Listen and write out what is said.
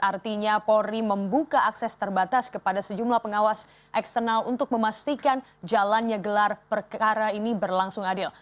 artinya polri membuka akses terbatas kepada sejumlah pengawas eksternal untuk memastikan jalannya gelar perkara ini berlangsung adil